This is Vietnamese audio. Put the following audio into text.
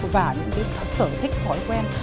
và những cái sở thích gói quen